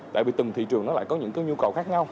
tại vì từng thị trường nó lại có những cái nhu cầu khác nhau